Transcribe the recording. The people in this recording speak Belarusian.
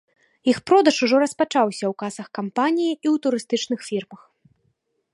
Іх продаж ужо распачаўся ў касах кампаніі і ў турыстычных фірмах.